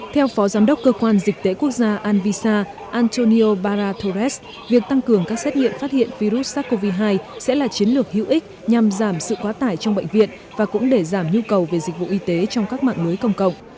theo phó giám đốc cơ quan dịch tễ quốc gia anvisa antonio barra torres việc tăng cường các xét nghiệm phát hiện virus sars cov hai sẽ là chiến lược hữu ích nhằm giảm sự quá tải trong bệnh viện và cũng để giảm nhu cầu về dịch vụ y tế trong các mạng lưới công cộng